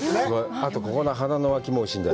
あと、ここの腹の脇もおいしいんだよ。